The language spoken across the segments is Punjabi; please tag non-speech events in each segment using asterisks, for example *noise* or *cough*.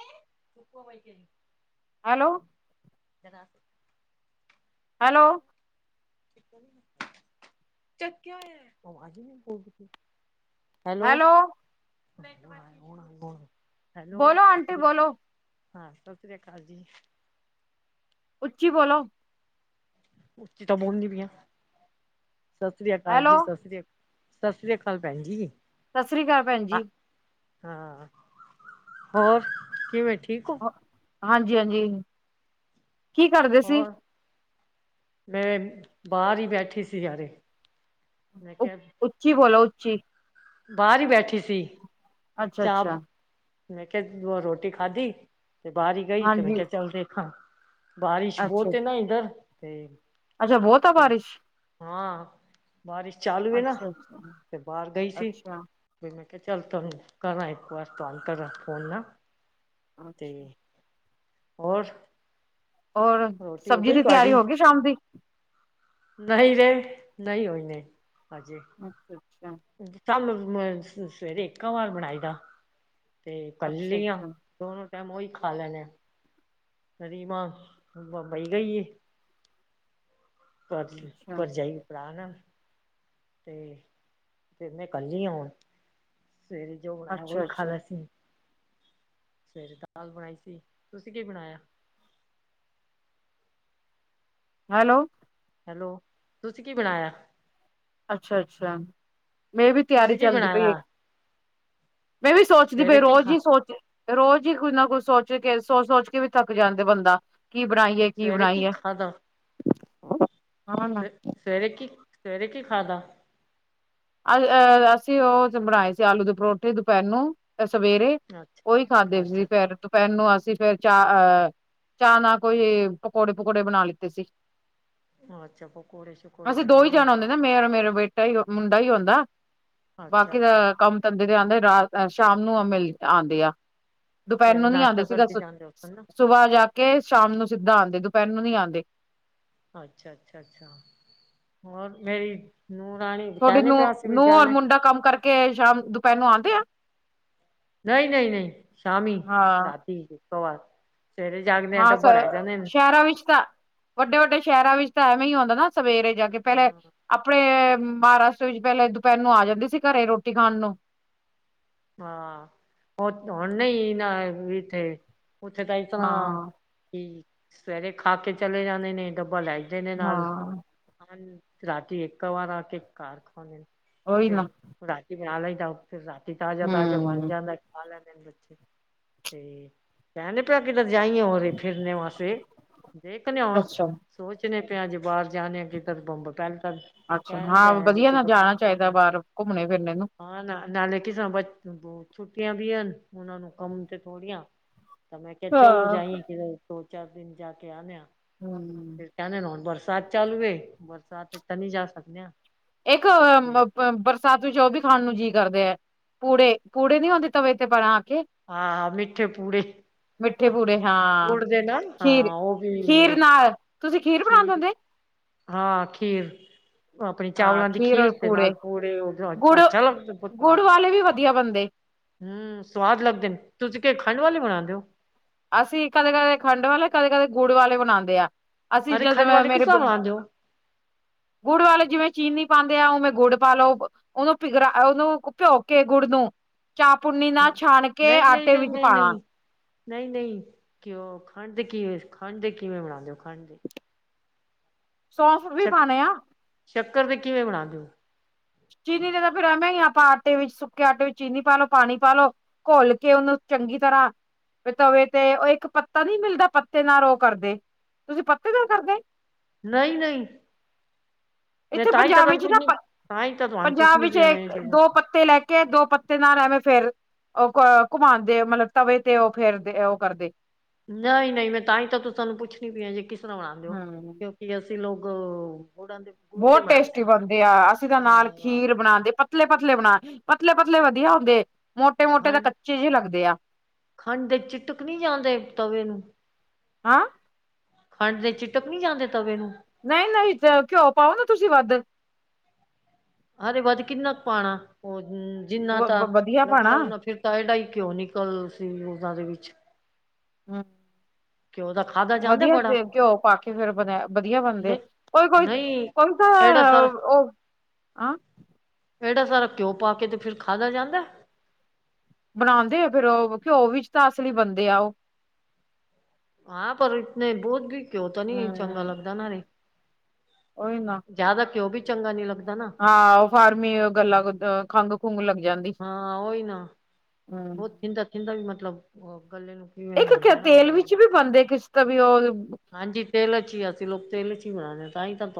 *unintelligible* ਹੈਲੋ। *unintelligible* ਹੈਲੋ। ਚੱਕਿਆ ਹੋਇਆ *inaudible* ਹੈਲੋ। ਹੈਲੋ ਬੋਲੋ ਸਤਿ ਆਂਟੀ ਸ੍ਰੀ ਬੋਲੋ। ਹਾਂ, ਸਤਿ ਸ੍ਰੀ ਅਕਾਲ ਜੀ। ਉੱਚੀ ਬੋਲੋ। ਉਚੀ ਤਾਂ ਬੋਲਨੀ ਪਈ ਆ ਸਸ ਸ੍ਰੀ ਕਾਲ ਹੈਲੋ ਜੀ, ਸਸ ਸ੍ਰੀ ਸਸ ਸ੍ਰੀ ਕਾਲ ਭੈਣ ਜੀ। ਸਸ ਸ੍ਰੀ ਕਾਲ ਭੈਣ ਜੀ। ਹਾਂ, ਹੋਰ ਕਿਵੇਂ ਠੀਕ ਹੋ। ਹਾਂਜੀ-ਹਾਂਜੀ, ਕੀ ਕਰਦੇ ਸੀ? ਹੋਰ ਮੈਂ ਬਾਹਰ ਹੀ ਬੈਠੀ ਸੀ ਯਾਰੇ। ਮੈਂ ਕਿਹਾ ਉੱਚੀ ਬੋਲੋ ਉੱਚੀ। ਬਾਹਰ ਈ ਬੈਠੀ ਸੀ, ਅੱਛਾ ਚਾਹ ਅੱਛਾ ਮੈਂ ਕਿਹਾ ਰੋਟੀ ਖਾਧੀ ਤੇ ਬਾਹਰੀ ਗਈ ਤੇ ਮੈਂ ਹਾਂਜੀ ਕਿਹਾ ਚੱਲ ਦੇਖਾਂ, ਬਾਰਿਸ਼ ਅੱਛਾ ਬਹੁਤੇ ਨਾ ਇੱਧਰ ਤੇ ਅੱਛਾ, ਬਹੁਤ ਆ ਬਾਰਿਸ਼। ਹਾਂ, ਬਾਰਿਸ਼ ਚਾਲੂ ਏ ਨਾ ਅੱਛਾ ਅੱਛਾ ਤੇ ਬਾਹਰ ਗਈ ਸੀ। ਅੱਛਾ ਤੇ ਮੈਂ ਕਿਹਾ ਚੱਲ ਤੁਹਾਨੂੰ ਕਰਾਂ ਇੱਕ ਵਾਰ ਤੁਹਾਨੂੰ ਕਰਾ ਫੋਨ ਨਾ। ਤੇ ਅੱਛਾ। *unintelligible* ਹੋਰ? ਓਰ ਰੋਟੀ ਹੋ ਸਬਜ਼ੀ ਗਈ ਦੀ ਤਿਆਰੀ ਹੋ ਗਈ ਸ਼ਾਮ ਦੀ? ਨਈਂ ਰੇ, ਨਹੀਂ ਹੋਈ ਨੇ, ਹਜੇ। ਅੱਛਾ, ਅੱਛਾ। ਸਾਨੂੰ ਸਵੇਰੇ ਇੱਕਾ ਵਾਰ ਬਣਾਈ ਦਾ, ਤੇ ਕੱਲ ਅੱਛਾ ਲੀ ਆਂ। ਅੱਛਾ ਦੋਨੋਂ ਟਾਈਮ ਉਈ ਖਾ ਲੈਨੇ ਆਂ। ਰਿਮਾਂ ਬੰਬਈ ਗਈ ਏ, ਘ ਅੱਛਾ ਭਰਜਾਈ ਪਾਨ, ਅਤੇ ਫਿਰ ਮੈਂ ਕੱਲੀ ਆਂ ਊਣ, ਸਵੇਰੇ ਜੋ ਬਣਾਇਆ ਅੱਛਾ ਉਹੀ ਖਾ ਅੱਛਾ ਲੈਂਸੀ। ਸਵੇਰੇ ਦਾਲ ਬਣਾਈ ਸੀ, ਤੁਸੀਂ ਕੇ ਬਣਾਇਆ? ਹੈਲੋ। ਹੈਲੋ, ਤੁਸੀਂ ਕੀ ਬਣਾਇਆ? ਅੱਛਾ, ਅੱਛਾ। ਮੈਂ ਵੀ ਤਿਆਰੀ ਤੁਸੀਂ ਕੀ ਚੱਲਦੀ ਪਈਏ, ਬਣਾਇਆ ਮੈਂ ਵੀ ਸੋਚਦੀ ਪਈ ਸਵੇਰੇ ਕੀ ਰੋਜ਼ ਖਾ ਹੀ ਸੋਚ ਰੋਜ਼ ਹੀ ਕੁੱਝ ਨਾ ਕੁੱਝ ਸੋਚ ਕੇ ਸੋਚ ਸੋਚ ਕੇ ਵੀ ਥੱਕ ਜਾਂਦੇ ਬੰਦਾ, ਕੀ ਬਣਾਈਏ? ਸਵੇਰੇ ਕੀ ਖਾਧਾ? ਹਾਂ ਨਾ ਫੇਰ ਸਵੇਰੇ ਕੀ, ਸਵੇਰੇ ਕੀ ਖਾਦਾ? ਅ ਅਹ ਅਸੀਂ ਉਹ ਚ ਬਣਾਏ ਸੀ ਆਲੂ ਦੇ ਪਰੌਠੇ ਦੁਪਹਿਰ ਨੂੰ ਸਵੇਰੇ, ਉਹੀ ਅੱਛਾ ਖਾਂਦੇ ਸੀ ਅੱਛਾ ਫੇਰ ਪੈਨੂੰ ਅਸੀਂ ਫੇਰ ਚਾਹ ਅਹ, ਚਾਹ ਨਾ ਕੋਈ ਪਕੌੜੇ ਪਕੁੜੇ ਬਨਾ ਲਿੱਤੇ ਸੀ। ਅੱਛਾ ਪਕੌੜੇ ਸ਼ਕੌੜੇ ਅਸੀਂ ਬਣਾਏ ਦੋ ਹੀ ਨੇ। ਜਾਣਾ ਹੁੰਦੇ ਮੇਰਾ ਮੇਰਾ ਬੇਟਾ ਮੁੰਡਾ ਹੂੰਦਾ, ਅੱਛਾ ਬਾਕੀ ਦਾ ਅੱਛਾ ਕੰਮ ਧੰਦੇ ਦੇ ਆਂਦੇ ਰਾਤ ਸ਼ਾਮ ਨੂੰ ਮਿਲ ਆਂਦੇ ਆ। ਦੁਪਹਿਰ ਸਵੇਰੇ ਨੂੰ ਨੀ ਨਾਸ਼ਤਾ ਆਂਦੇ ਸੀਧਾ ਕਰਕੇ ਜਾਂਦੇ ਹੋ ਨਾ ਸੁਬਾਹ ਜਾ ਕੇ, ਸ਼ਾਮ ਨੂੰ ਸਿੱਧਾ ਆਂਦੇ ਦੁਪਹਿਰ ਨੂੰ ਨੀ ਆਂਦੇ। ਅੱਛਾ, ਅੱਛਾ, ਅੱਛਾ, ਹੋਰ ਮੇਰੀ ਨੂੰ ਰਾਣੀ ਕਹਿ ਨੇ ਪਿਆ ਸੀ ਅਸੀਂ ਵੀ ਜਾਣੇ। ਕੇ ਸ਼ਾਮ ਦੁਪਹਿਰ ਨੂੰ ਆਂਦੇ ਆ? ਨਹੀਂ ਨਹੀਂ ਨਹੀਂ, ਸ਼ਾਮੀ, ਹਾਂ ਰਾਤੀ, ਇੱਕਾ ਵਾਰ, ਸਵੇਰੇ ਜਾਗਦੇ ਆ ਹਾਂ ਤਾਂ ਸ ਰਹਿ ਜਾਂਦੇ ਨੇ ਸ਼ਹਿਰਾਂ ਵਿੱਚ ਤਾਂ ਵੱਡੇ ਵੱਡੇ ਸ਼ਹਿਰਾਂ ਵਿੱਚ ਤਾਂ ਐਵੇਂ ਹੀ ਆਉਂਦਾ ਨਾ ਸਵੇਰੇ ਜਾ ਕੇ ਪਹਿਲੇ, ਹਾਂ ਆਪਣੇ ਮਹਾਰਾਸ਼ਟਰ ਵਿੱਚ ਪਹਿਲਾਂ ਦੁਪਹਿਰ ਨੂੰ ਆ ਜਾਂਦੇ ਸੀ ਘਰੇ ਰੋਟੀ ਖਾਣ ਨੂੰ। ਹਾਂ, ਹੁਣ ਨਹੀਂ ਇਹ ਨਾ ਇੱਥੇ, ਉੱਥੇ ਤਾਂ ਇਸ ਤਰ੍ਹਾਂ ਹਾਂ ਕੀ ਸਵੇਰੇ ਖਾ ਕੇ ਚਲੇ ਜਾਂਦੇ ਨੇ, ਡੱਬਾ ਲੈ ਜਾਂਦੇ ਨੇ ਨਾਲ। ਹਾਂ ਹ ਰਾਤੀ ਇੱਕਾ ਵਾਰ ਆ ਕੇ ਘਾਰ ਖਾਂਦੇਂਨ, ਉਹੀ ਫਿਰ ਨਾ ਹੁਣ ਰਾਤੀ ਬਣਾ ਲਈ ਦਾ, ਫਿਰ ਰਾਤੀ ਤਾਜ਼ਾ ਤਾਜ਼ਾ ਬਣ ਹਮ ਜਾਂਦੈ ਖਾ ਲੈਂਦੇਨ ਬੱਚੇ। ਤੇ, ਕਹਿਂਦੇ ਪਿਆ ਕਿਦਰ ਜਾਈਏਂ ਉਹਦੇ ਫਿਰਨੇ ਵਾਸਤੇ। ਦੇਖਨੇ ਆਂ ਉਣ, ਅੱਛਾ ਸੋਚਨੇ ਪਿਆਂ ਜੇ ਬਾਹਰ ਜਾਨੇ ਆਂ ਕਿਧਰ ਬੰਬ ਪਹਿਲ ਤਾਂ ਅੱਛਾ, ਕਹਿਣੇ ਹਾਂ ਪਏ ਜੇ ਬਧੀਆ ਨਾ ਕਿੱਧਰ ਜਾਣਾ ਚਾਹੀਦਾ ਨਿਕਲਣਾ ਬਾਹਰ, ਘੁੰਮਣੇ ਫਿਰਨੇ ਨੂੰ। ਹਾਂ ਨਾ, ਨਾਲੇ ਕਿਸਾਂ ਬ ਛੁੱਟੀਆਂ ਵੀ ਹਨ, ਉਹਨਾਂ ਨੂੰ ਕੰਮ ਤੇ ਥੋੜੀਆਂ ਤਾਂ ਮੈਂ ਕਿਹਾ ਚਲੋ ਹਾਂ ਜਾਈਏਂ ਕਿਦਰ, ਦੋ ਚਾਰ ਦਿਨ ਜਾ ਕੇ ਆਨਿਆਂ। ਹਮ ਕੈਂਦੇਨ ਹੁਨ ਬਰਸਾਤ ਚਾਲੂਵੇ, ਬਰਸਾਤ ਚ ਤਾਂ ਨੀ ਜਾ ਸਕਨੇ ਆਂ। ਇੱਕ ਬ ਬ ਬ ਸਤ ਵਿੱਚ ਉਹ ਵੀ ਖਾਣ ਨੂੰ ਜੀਅ ਕਰਦੇ ਹੈ ਪੂੜੇ ਪੂੜੇ ਨੀ ਆਉਂਦੇ ਤਵੇ ਤੇ ਬਣਾ ਕੇ। ਹਾਂ ਮਿੱਠੇ ਪੂੜੇ। ਮਿੱਠੇ ਪੂੜੇ ਹਾਂ ਗੁੜ ਦੇ ਨਾ ਖੀਰ ਹਾਂ ਉਹ ਵੀ ਖੀਰ ਨਾਲ ਤੁਸੀਂ ਖੀਰ ਬਣਾਉਂਦੇ ਠੀਕ। ਹੁੰਦੇ ਹਾਂ ਖੀਰ। ਆਪਣੀ ਹਾਂ ਚਾਵਲਾਂ ਦੀ ਔਰ ਖੀਰ ਦੇ ਪੂੜੇ ਨਾਲ ਪੁੱੜੇ ਉਹ ਗੁੜ ਅੱਛਾ ਲੱਗਦਾ ਗੁੜ ਵਾਲੇ ਵੀ ਵਧੀਆ ਬੰਦੇ। ਹਮ ਸਵਾਦ ਲੱਗਦੇ ਨੇ ਤੁਸੀਂ ਕੇ ਖੰਡ ਵਾਲੇ ਬਣਾਉਦੇ ਹੋ? ਅਸੀਂ ਕਦੇ ਕਦੇ ਖੰਡ ਵਾਲੇ ਕਦੇ ਕਦੇ ਗੁੜ ਵਾਲੇ ਬਣਾਉਂਦੇ ਆ ਅਸੀਂ ਅਰੇ ਜਦੋਂ ਖੰਡ ਮੈਂ ਵਾਲੇ ਕਿਸ ਮੇਰੇ ਤਰ੍ਹਾ ਬਣਾਦੇ ਹੋ। ਗੁੜ ਵਾਲੇ ਜਿਵੇਂ ਚੀਨੀ ਪਾਉਂਦੇ ਆ ਉਵੇਂ ਗੁੜ ਪਾ ਲੋ। ਉਹਨੂੰ ਪਿਗਰਾ ਉਹਨੂੰ ਭਿਓਕੇ ਗੁੜ ਨੂੰ ਚਾਹਪੁੰਨੀ ਨਾ ਹਾਂ ਛਾਣ ਕੇ ਨਹੀਂ ਨਹੀਂ ਆਟੇ ਨਹੀਂ ਵਿੱਚ ਪਾਉਣਾ। ਨਹੀਂ ਨਹੀਂ ਕਿ ਉਹ ਖੰਡ ਦੇ ਕੀ ਖੰਡ ਦੇ ਕਿਵੇਂ ਬਣਾਉਂਦੇ ਹੋ ਖੰਡ ਦੇ। ਸੌਂਫ ਵੀ ਪਾਣੇ ਆ। ਚੱਕਰ ਤੇ ਕਿਵੇਂ ਬਣਾ ਦਿਓ? ਚੀਨੀ ਨੇ ਤਾਂ ਫਿਰ ਐਵੇਂ ਹੀ ਆਪਾਂ ਆਟੇ ਵਿੱਚ ਸੁੱਕੇ ਆਟੇ ਵਿੱਚ ਚੀਨੀ ਪਾ ਲਓ ਪਾਣੀ ਪਾ ਲ ਲੋ। ਘੋਲ ਕੇ ਉਹਨੂੰ ਚੰਗੀ ਤਰ੍ਹਾਂ ਤਵੇ ਤੇ ਉਹ ਇੱਕ ਪੱਤਾ ਨੀ ਮਿਲਦਾ ਪੱਤੇ ਨਾਲ ਉਹ ਕਰਦੇ ਤੁਸੀਂ ਪੱਤੇ ਨਾਲ ਕਰਦੇ। ਨਹੀਂ ਨਹੀਂ। ਇੱਥੇ ਪੰਜਾਬ ਵਿੱਚ ਨਾ ਪੁੱਛਣੀ ਤਾਂ ਹੀ ਤਾਂ ਤੁਹਾਨੂੰ ਪੰਜਾਬ ਪੁੱਛਣੀ ਵਿੱਚ ਪਈ ਆ ਮੈਂ ਇੱਕ ਦੋ ਪੱਤੇ ਲੈ ਕੇ ਕਿ ਦੋ ਪੱਤੇ ਨਾਲ ਐਵੇਂ ਫਿਰ ਉਹ ਘੁਮਾਉਂਦੇ ਮਤਲਬ ਤਵੇ ਤੇ ਉਹ ਫੇਰਦੇ ਉਹ ਕਰਦੇ। ਨਹੀਂ ਨਹੀਂ ਮੈਂ ਤਾਂ ਹੀ ਤਾਂ ਤੂੰ ਸਾਨੂੰ ਪੁੱਛਣੀ ਪਈ ਆ ਜੇ ਕਿਸ ਤਰ੍ਹਾਂ ਬਣਾਂ ਦਿਓ ਹਮ ਕੀ ਅਸੀਂ ਲੋਕ ਗੁੜਾਂ ਦੇ ਗੁੜ ਦੇ ਬਹੁਤ ਬਣਾਉਂਦੇ ਟੇਸਟੀ ਨਾ ਬਣਦੇ ਆ ਅਸੀਂ ਤਾਂ ਨਾਲ ਖੀਰ ਬਣਾਉਂਦੇ ਪਤਲੇ ਪਤਲੇ ਬਣਾ ਪਤਲੇ ਪਤਲੇ ਵਧੀਆ ਹੁੰਦੇ ਮੋਟੇ ਮੋਟੇ ਤਾਂ ਖੰਡ ਕੱਚੇ ਜਿਹੇ ਲੱਗਦੇ ਆ। ਖੰਡ ਚਿਟਕ ਨਹੀਂ ਜਾਂਦੇ ਤਵੇ ਨੂੰ। ਹਾਂ ਖੰਡ ਦੇ ਚਿੱਟਕ ਨਹੀਂ ਜਾਂਦੇ ਤਵੇ ਨੂੰ। ਨਹੀਂ ਨਹੀਂ ਘਿਓ ਪਾਓ ਨਾ ਤੁਸੀਂ ਵੱਧ। ਹਰੇ ਵੱਧ ਕਿੰਨਾ ਕੁ ਪਾਉਣਾ ਉਹ ਜਿੰਨਾ ਵ ਤਾਂ ਵਧੀਆ ਪਾਣਾ ਲੱਗਦਾ ਓਨਾਂ ਫਿਰ। ਡਾਲਡਾ ਹੀ ਕਿਉਂ ਨਿਕਲ ਸੀ ਉਹਨਾਂ ਦੇ ਵਿੱਚ। ਹਮ। ਕਿ ਉਹਦਾ ਖਾਦ ਵਧੀਆ ਘਿਓ ਪਾ ਕੇ ਫਿਰ ਬਣ ਵਧੀਆ ਬਣਦੇ ਨਹੀਂ ਕੋਈ ਕੋਈ। ਨਹੀਂ ਐਡਾ ਸਾਰਾ *unintelligible* ਇਹਨਾ ਸਾਰਾ ਘਿਓ ਪਾ ਕੇ ਤਾਂ ਫਿਰ ਖਾਦਾ ਜਾਂਦਾ। ਬਣਾਉਂਦੇ ਆ ਫਿਰ ਉਹ ਉਹ ਵੀ ਚ ਤਾਂ ਅਸਲੀ ਬੰਦੇ ਆ ਉਹ। ਹਾਂ ਪਰ ਇਤਨੇ ਬਹੁਤ ਵੀ ਕੇ ਹੋਤਾ ਨੀ ਚੰਗਾ ਹੂੰ ਲੱਗਦਾ ਨਾ ਅਰੇ। ਉਹੀ ਨਾ ਜ਼ਿਆਦਾ ਘਿਉ ਵੀ ਚੰਗਾ ਨੀ ਲੱਗਦਾ ਨਾ ਹਾਂ ਉਹ ਫਾਰਮੀ ਗੱਲਾਂ ਖੰਘ ਖੁੰਘ ਲੱਗ ਜਾਂਦੀ ਹਮ ਦਾ ਇੰਦਾ ਵੀ ਮਤਲਬ ਗੱਲ ਨੂੰ ਕਿਵੇਂ ਇੱਕ ਹੁੰਦਾ ਨਾ ਤੇਲ ਵਿੱਚ ਵੀ ਬਣਦੇ ਕਿਸ ਤਾਂ ਵੀ ਉਹ ਹਾਂਜੀ ਤੇਲ 'ਚ ਹੀ ਅਸੀਂ ਲੋਕ ਤੇਲ ' ਹੀ ਬਣਾਉਣੇ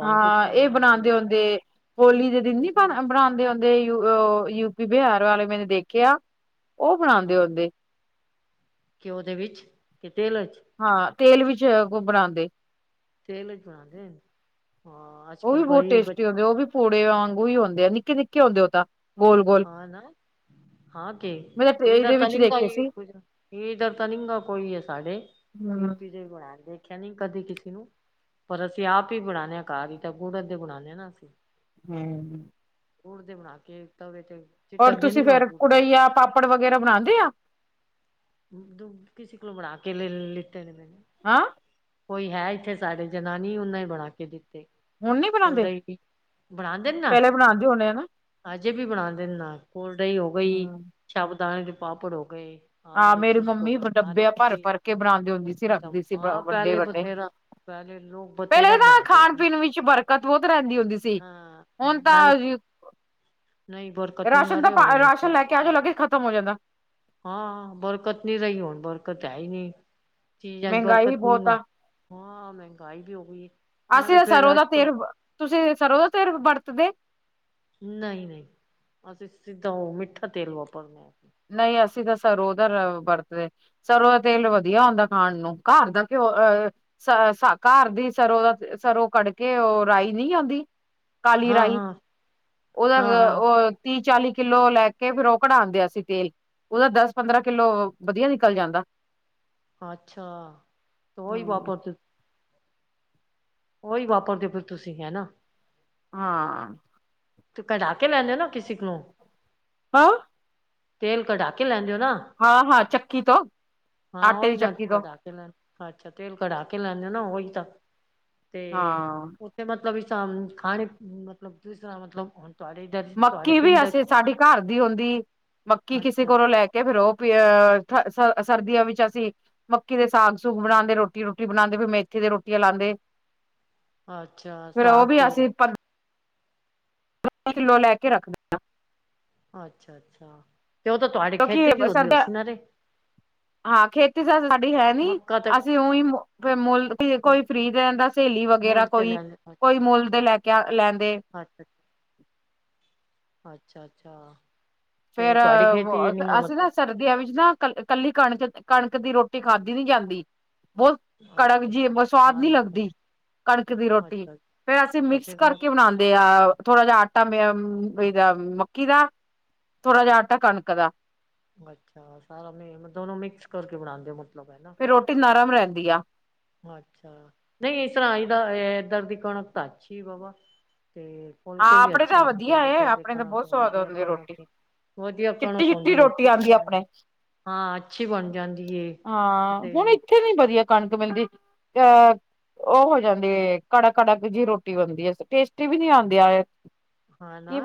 ਹਾਂ ਇਹ ਬਣਾਉਂਦੇ ਹੁੰਦੇ ਹੋੋਲੀ ਦੇ ਦਿਨ ਨੀ ਬ ਗੁੜ ਬਣਾ ਬ ਹਦੇ ਯ ਯੂਪੀ ਬਿਹਾਰ ਵਾਲੇ ਮੈਨੇ ਦੇਖਿਆ ਉਹ ਬਣਾਉਂਦੇ ਹੁੰਦੇ ਘਿਉਵਿੱਚ ਕਿ ਤੇਲ ਵਿੱਚ ਹਾਂ ਤੇਲ ਵਿੱਚ ਬਣਾਉਂਦੇ *unintelligible* ਬਣਾਦੇ ਹਾਂ ਅੱਜ ਉਹ ਵੀ ਕੱਲ ਬਹੁਤ ਬਈ ਬ ਟੇਸਟੀ ਹੁੰਦੇ ਉਹ ਵੀ ਪੂੜੇ ਵਾਂਗੂ ਹੀ ਹੁੰਦੇ ਆ ਨਿੱਕੇ ਨਿੱਕੇ ਹੁੰਦੇ ਉਹ ਤਾਂ ਗੋਲ-ਗੋਲ ਹਾਂ ਨਾ ਹਾਂ ਕੇ ਮੈਂ ਤਾਂ ਡਰ ਇਹਦੇ ਤ ਵਿੱਚ ਨਿੰ ਦੇਖੇ ਸੀ ਪੂਜਾ ਇਧਰ ਤਾਂ ਨੀ ਗ ਕੋਈ ਆ ਸਾਡੇ ਹੂੰ ਯੂਪੀ ਦੇ ਬਣਾ ਦੇਖਿਆ ਨੀ ਕਦੇ ਕਿਸੇ ਨੂੰ ਪਰ ਅਸੀਂ ਆਪ ਹੀ ਬਣਾਉਂਦੇ ਹਾਂ ਕਾਹ ਹੀ ਤਾਂ ਗੁੜ ਦੇ ਬਣਾਉਦੇ ਹਾਂ ਨਾ ਅਸੀਂ *unintelligible* ਗੁੜ ਦੇ ਬਣਾ ਕੇ ਤਦੇ ਤੇ ਔਰ ਚਿਟਕਦੇ ਨੀ ਤੁਸੀਂ ਗਾ ਫੇਰ ਗੁੜ ਦੇ ਕੁੜਈਆ ਪਾਪੜ ਵਗੈਰਾ ਬਣਾਉਂਦੇ ਆ ਦ ਕਿਸੀ ਕੋਲ ਬੜਾ ਕੇ ਲ ਲਿੱਤੇ ਨੇ ਹਾਂ ਕੋਈ ਹੈ ਇੱਥੇ ਸਾਡੇ ਜਨਾਨੀ ਉਹਨਾ ਨੇ ਬਣਾ ਕੇ ਦਿੱਤੇ ਹੁਣ ਨੀ ਬਣਾਦੇ ਕੋਲਹੀ ਬਣਾ ਦਿੰਦਾ ਪਹਿਲੇ ਬਣਾਦੇ ਹੋਣੇ ਹਨਾ ਅਜੇ ਵੀ ਬਣਾ ਦਿੰਦਾ ਕੋਲਡ ਡਿੰਕ ਹੋ ਗਈ ਹੂੰ ਸ਼ਾਗੁਦਣੇ ਦੇ ਪਾਪੜ ਹੋ ਗਏ ਹਾਂ ਹਾਲ ਚ ਮੇਰੀ ਹੋ ਮੰਮੀ ਗਏ ਹਰ ਇੱਕ ਡੱਬੇ ਚੀ ਭਰ-ਭਰ ਕੇ ਬਣਾਦੀ ਹੁੰਦੀ ਸੀ ਰੱਖਦੀ ਸੀ ਹਾਂ ਪਹਿਲੇ ਵੱਡੇ-ਵੱਡੇ ਬਥੇਰਾ ਪਹਿਲੇ ਲੋਕ ਬਥੇਰਾ ਪਹਿਲੇ ਤਾਂ ਬਣਾਦੇ ਹੀ ਖਾਣ ਨੇ ਪੀਣ *unintelligible* ਬਹੁਤ ਰਹਿੰਦੀ ਹੁੰਦੀ ਸੀ ਹੁਣ ਤਾਂ ਰਾਸ਼ਨ ਦਾ ਰਾਸ਼ਨ ਲੈ ਕੇ ਆ ਜਾਓ ਲੱਗੇ ਖ਼ਤਮ ਹੋ ਜਾਂਦਾ ਹਾਂ ਬਰਕਤ ਨਹੀਂ ਰਹੀ ਹੁਣ ਬਰਕਤ ਹੈ ਹੀ ਨਹੀਂ ਚੀਜ਼ਾਂ ਮਹਿੰਗਾਈ ਵੀ ਬਰਕਤ ਨਹੀਂ ਬਹੁਤ ਆ ਹਾਂ ਮਹਿੰਗਾਈ ਵੀ ਹੋ ਗਈ ਹੈ ਅਸੀਂ ਤਾਂ ਸਰੋਂ ਦਾ ਤੇਿਰ ਤੁਸੀਂ ਸਰੋਂ ਦਾ ਤੇਿਰ ਵਰਤਦੇ ਨਹੀਂ ਨਹੀਂ ਅਸੀਂ ਸਿੱਧਾ ਉਹ ਮਿੱਠਾ ਤੇਲ ਵਾਪਰਨਾ ਅਸੀਂ ਨਹੀਂ ਅਸੀਂ ਤਾਂ ਸਰੋ ਉਹਦਾ ਵਰਤਦੇ ਸਰੋਂ ਦਾ ਤੇਲ ਵਧੀਆ ਹੁੰਦਾ ਖਾਣ ਨੂੰ ਘਰ ਦਾ ਘਿਓ ਅਹ ਘਰ ਦੀ ਸਰੋਂ ਦਾ ਸਰੋਂ ਕੱਢ ਕੇ ਉਹ ਰਾਈ ਨਹੀਂ ਆਉਂਦੀ ਕਾਲੀ ਹਾਂ ਰਾਈ ਹਾਂ ਹਾਂ ਉਹਦਾ ਹਾਂ ਉਹ ਤੀਹ ਚਾਲੀ ਕਿੱਲੋ ਲੈ ਕੇ ਫੇਰ ਉਹ ਕਢਾਂ ਦਿਆ ਸੀ ਤੇਲ ਉਹਦਾ ਦਸ ਪੰਦਰਾਂ ਕਿੱਲੋ ਵਧੀਆ ਨਿਕਲ ਜਾਂਦਾ ਅੱਛਾ ਉਹੀ ਹਾਂ ਵਾਪਰ ਉਹੀ ਵਾਪਰਦੇ ਫਿਰ ਤੁਸੀਂ ਹੈ ਨਾ ਹਾਂ ਤੂੰ ਕਢਾ ਕੇ ਲੈਂਦੇ ਨਾ ਕਿਸੇ ਨੂੰ ਹੈਂ ਤੇਲ ਘਡਾ ਕੇ ਲੈਣ ਜਾਓ ਨਾ ਹਾਂ ਹਾਂ ਚੱਕੀ ਤੋਂ ਹਾਂ ਆਟੇ ਦੀ ਉਹੀ ਨਾ ਚੱਕੀ ਤੋਂ ਘਡਾ ਕੇ ਲੈਣ ਅੱਛਾ ਤੇਲ ਕਢਾ ਕੇ ਲੈਂਦੇ ਨਾ ਉਹੀ ਤਾਂ ਹਾਂ ਤੇ ਮਤਲਬ ਇਸ ਖਾਣੇ ਮਤਲਬ ਜਿਸ ਤਰ੍ਹਾਂ ਮਤਲਬ ਹੁਣ ਤੁਹਾਡੇ ਇੱਧਰ ਤੁਹਾਡੇ ਮੱਕੀ ਵੀ ਪਿੰਡ ਅਸੀਂ ਸਾਡੀ ਘਰ ਦੀ ਹੁੰਦੀ ਮੱਕੀ ਕਿਸੇ ਅੱਛਾ ਕੋਲੋਂ ਲੈ ਕੇ ਤੇ ਫੇਰ ਉਹ ਪ ਅਹ ਸਰਦੀਆਂ ਵਿੱਚ ਅਸੀਂ ਮੱਕੀ ਦੇ ਸਾਗ ਸੁਗ ਬਣਾਉਂਦੇ ਰੋਟੀ ਰੋਟੀ ਬਣਾਉਂਦੇ ਫਿਰ ਮੇਥੇ ਦੀ ਰੋਟੀਆਂ ਲਾਉਂਦੇ *unintelligible* ਅੱਛਾ ਫੇਰ ਉਹ ਸਾਗ ਵੀ ਤੇ ਅਸੀਂ ਰੋ ਕਿੱਲੋ ਲੈ ਕੇ ਰੱਖਦੇ ਅੱਛਾ, ਅੱਛਾ ਤੇ ਓ ਤਾ ਤੁਆਡੀ ਖੇਤੀ ਚ ਕਿਉਂਕਿ ਹੋਂਦੀ ਸਰਦਾ ਹੋਸੀ ਨਾਲੇ ਹਾਂ, ਖੇਤੀ ਤਾ *unintelligible* ਸਾਡੀ ਹੈ ਨੀ ਮੱਕਾ ਤਾਂ ਅਸੀ ਓਈਂ ਮੋ ਫੇਰ ਮੋੱਲ, *unintelligible* ਕੋਈ ਫ੍ਰੀ ਦੇ ਦੇਂਦਾ, ਸੇਲੀ ਵਗੈਰਾ ਮੁੱਲ ਤੇ ਕੋਈ ਲੈਂਦੇ ਕੋਈ ਮੁੱਲ ਦੇ ਲੈਕੇ ਆ ਲੈਂਦੇ ਅੱਛਾ ਅੱਛਾ, *inaudible* ਅੱਛਾ, ਅੱਛਾ। ਤੇ ਤੁਆਡੀ ਖੇਤੀ ਏ *unintelligible* ਮਤਲਬ ਵਿਆ ਵਿੱਚ ਨਾ ਕੱਲ ਕੱਲੀ ਕਣਕ, ਕਣਕ ਦੀ ਰੋਟੀ ਖਾਧੀ ਨੀ ਜਾਂਦੀ, ਬੋਤ ਕਣਕ ਅੱਛਾ ਜੀ ਮੋਏ ਸਵਾਦ ਨਾਲ ਨੀ ਲੱਗਦੀ ਮਤਲਬ ਕਣਕ ਦੀ ਰੋਟੀ, ਅੱਛਾ ਫੇਰ ਅਸੀ ਤਾਂ ਮਿਕਸ ਫਿਰ ਮ ਕਰਕੇ ਬਨਾਂਦੇ ਤੇ ਆ ਥੋੜਾ ਜਾ ਆਟਾ ਮੇ *unintelligible* ਏਦਾ ਮੱਕੀ ਦਾ ਥੋੜਾ ਜਾ ਆਟਾ ਕਣਕ ਦਾ ਅੱਛਾ, ਸਾਰਾ ਮੇ ਦੋਨੋਂ ਮਿਕਸ ਕਰਕੇ ਬਣਾਂਦੇ ਓ ਮਤਲਬ ਹੈਨਾ ਫੇਰ, ਰੋਟੀ ਨਰਮ ਰਿਹੰਦੀ ਆ। ਅੱਛਾ, ਨਹੀ ਇਸ ਤਰਾ ਇਦਾ ਏਧਰ ਦੀ ਕਣਕ ਤਾ ਅੱਛੀ ਵਵਾ, ਤੇ ਫੁਲਕੇ ਹਾਂ ਵੀ ਆਪਣੇ ਅੱਛੇ ਤਾਂ ਬਣਦੇ ਵਧੀਆ ਨੇ ਏ, ਇੱਧਰ ਦੀ ਆਪਣੇ ਤਾਂ ਕਣਕ ਦੇ, ਬਹੁਤ ਸਵਾਦ ਵਦੀਆ ਹੁੰਦੀ ਰੋਟੀ ਕਣਕ ਏ। ਵਧੀਆ ਕਣਕ ਚਿੱਟੀ ਚਿੱਟੀ ਹੋਂਦੀ ਏ ਰੋਟੀ ਅੱਛੀ ਤਰਾ ਆਉਂਦੀ ਬਣ‌, ਆਪਣੇ ਹਾਂ ਅੱਛੀ ਬਨ ਜਾਂਦੀ ਏ। ਹੁਨ ਇੱਥੇ ਨੀ ਵਦੀਆ ਕਣਕ ਮਿਲਦੀ ਅ ਓ ਹੋ ਜਾਂਦੀ ਏ ਕੜਕ-ਕੜਕ ਜਿ ਰੋਟੀ ਬਨਦੀ ਏ, ਟੇਸਟੀ ਵੀ ਨੀ ਆਂਦੀ *inaudible* ਹਾਂ, ਨਾ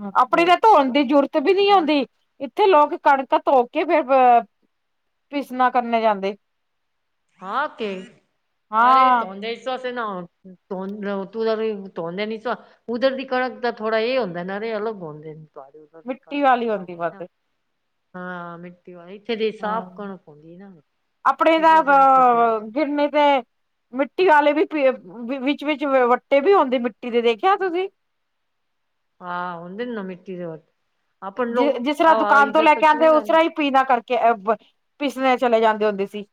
ਹੂੰ ਆਪਣੀ ਉਹ ਤਾਂ ਧੋਣ ਦੀ ਜੂਰਤ ਵੀ ਨੀ ਹੁਣ ਹੂੰਦੀ। ਇੱਥੇ ਲੋਕ ਕਣਕ ਤੌਕੇ, ਫੇਰ ਪੀਸਨਾ ਕਰਨੇ ਜਾਂਦੇ। ਹਾਂ, ਤੇ ਅਰੇ ਹਾਂ ਤੋਂਦੇ ਇਸ ਵਾਸੇ ਨਾ ਹੋਨ *unintelligible* ਉਧਰ ਦੀ ਕਣਕ ਦਾ ਥੋੜਾ ਏ ਹੁੰਦੇ ਨਾ ਰੇ ਅਲੱਗ ਹੋਂਦੇ। ਤਹਾਡੇ ਉਧਰ ਦੀ ਮਿੱਟੀ ਕਣਕ ਵਾਲੀ ਪੰਜਾਬ ਹੁੰਦੀ ਦੀ ਨਾ, ਵੱਧ ਹਾਂ, ਮਿਟ ਇੱਥੇ ਦੀ ਸਾਫ਼ ਹੂੰ ਕਣਕ ਹੁੰਦੀ ਏ ਨਾ, ਆਪਣੇ ਇਸ ਤਾਂ ਵਾਸਤੇ ਮਤਲਬ ਫੇਰ *unintelligible* ਮਿੱਟੀ ਆਲੇ ਵੀ ਵਿੱਚ-ਵਿੱਚ ਵੱਟੇ ਵੀ ਹੋਂਦੇ ਮਿੱਟੀ ਦੇ, ਦੇਖਯਾ ਤੁਸੀ? ਹਾਂ, ਹੁੰਨ ਜੇ ਜਿਸ ਤਰਾ ਦੁਕਾਨ ਤੋਂ ਲੈਕੇ ਆਂਦੇ ਓ, ਉਸ ਤਰਾਂ ਈਂ ਪੀਨਾ ਕਰਕੇ, ਪਿਸਨੇ ਚਲੇ ਜਾਂਦੇ ਹੁੰਦੇ ਸੀ।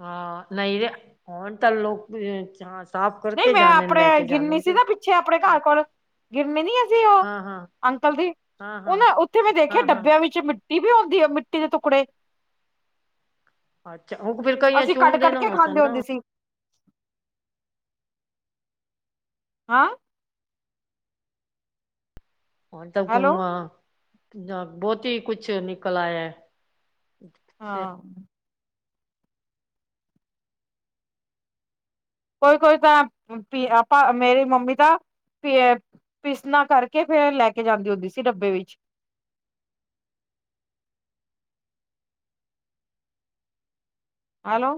ਹਾਂ, ਨਈ ਰੇ ਹੋਨ ਤਾ ਲੋਕ ਚਾਂਸ ਨਈ ਮੈਂ ਆਪਣੇ ਗਿਰਨੀ ਸੀ ਨਾ, ਪਿੱਛੇ ਆਪਣੇ ਘਰ ਕੋਲ ਗਿਰਨੀ ਨੀ ਐ ਸੀ ਓ ਅੰਕਲ ਦੀ ਓਨਾ ਉੱਥੇ ਮੈਂ ਦੇਖਿਆ, ਹਾਂ ਡੱਬਿਆਂ ਹਾਂ ਵਿੱਚ ਮਿੱਟੀ ਵੀ ਹੋਂਦੀ ਐ, ਮਿੱਟੀ ਦੇ ਟੁਕੜੇ ਅੱਛਾ, ਓ ਫੇਰ ਕਈ ਅਸੀਂ ਕੱਢ ਚੌਂਦੇ ਦੇ ਕੱਢ ਨਾ ਕੇ ਹੋਸਨ ਖਾਂਦੇ ਨਾ ਹੁੰਦੇ ਸੀ ਹਾਂ। ਹੋਨ ਹੈਲੋ ਤਾਂ ਬੋਤ ਈ ਕੁੱਛ ਨਿਕਲ ਆਇਆ। ਹਾਂ। ਕੋਈ-ਕੋਈ ਤਾ ਆਪਾ ਮੇਰੀ ਮੰਮੀ ਦਾ ਪੀਸਨਾ ਕਰਕੇ ਫੇਰ ਲੈਕੇ ਜਾਂਦੇ ਹੁੰਦੀ ਸੀ, ਡੱਬੇ ਵਿੱਚ। ਹੈਲੋ।